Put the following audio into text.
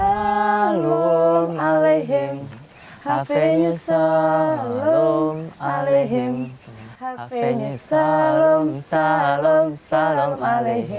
salam aleihim hafainya salam aleihim hafainya salam salam salam aleihim